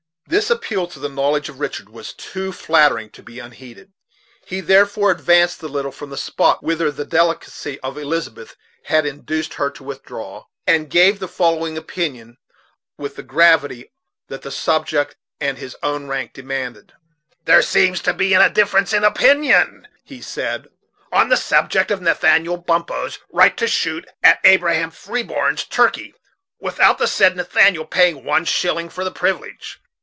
This appeal to the knowledge of Richard was too flattering to be unheeded. He therefore advanced a little from the spot whither the delicacy of Elizabeth had induced her to withdraw, and gave the following opinion, with the gravity that the subject and his own rank demanded: "There seems to be a difference in opinion," he said, "on the subject of Nathaniel Bumppo's right to shoot at Abraham Freeborn's turkey without the said Nathaniel paying one shilling for the privilege."